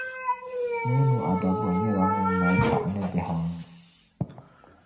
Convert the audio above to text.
Manu-Adabor nyɛla ŋun mali paɣa ni bihi anu.